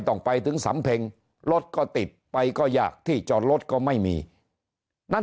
ต้องไปถึงสำเพ็งรถก็ติดไปก็ยากที่จอดรถก็ไม่มีนั่น